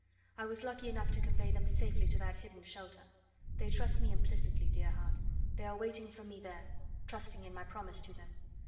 I was lucky enough to convey them safely to that hidden shelter. They trust me implicitly, dear heart. They are waiting for me there, trusting in my promise to them.